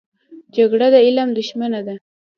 جګړه د علم دښمنه ده